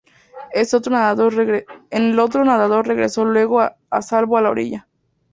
El otro nadador regresó luego a salvo a la orilla.